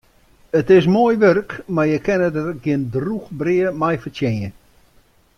It is moai wurk, mar je kinne der gjin drûch brea mei fertsjinje.